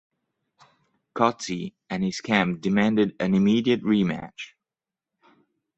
Coetzee and his camp demanded an immediate rematch.